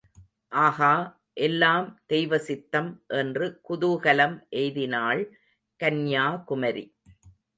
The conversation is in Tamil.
ஆஹா, எல்லாம் தெய்வசித்தம் என்று குதூகலம் எய்தினாள் கன்யாகுமரி.